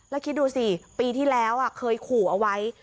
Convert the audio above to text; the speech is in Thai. แล้วคิดดูสิปีที่แล้วเคยขู่เอาไว้